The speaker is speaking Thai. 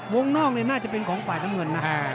วงนอกน่าจะเป็นของฝ่ายน้ำเงินนะ